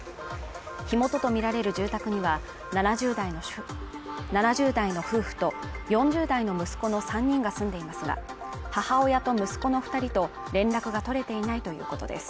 火元とみられる住宅には７０代の夫婦と４０代の息子の３人が住んでいますが母親と息子の二人と連絡が取れていないということです